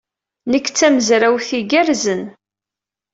Nekk d tamezrawt igerrzen.